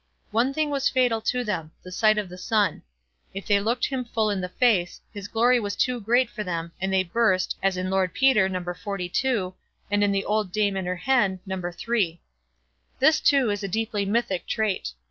One thing was fatal to them—the sight of the sun. If they looked him full in the face, his glory was too great for them, and they burst, as in "Lord Peter", No. xlii, and in "The Old Dame and her Hen", No. iii. This, too, is a deeply mythic trait.